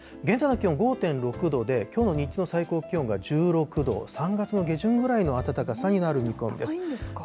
現在の気温５．６度で、きょうの日中の最高気温が１６度、３月の下旬ぐらいの暖かさになる見込みです。